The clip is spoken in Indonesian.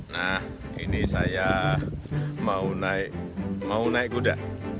nah ini saya mau naik kuda